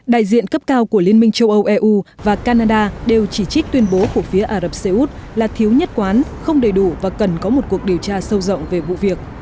đại diện cấp cao của liên minh châu âu eu và canada đều chỉ trích tuyên bố của phía ả rập xê út là thiếu nhất quán không đầy đủ và cần có một cuộc điều tra sâu rộng về vụ việc